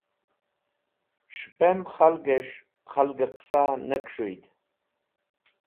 S̃hẽpem khalgẽs̃h khalgẽ qẽsa ne keshũyd